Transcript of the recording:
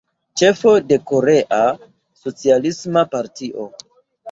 Ĉefo de Korea Socialisma Partio.